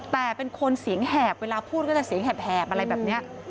แต่เป็นคนเสียงแหบเวลาพูดก็จะเสียงแหบอะไรแบบนี้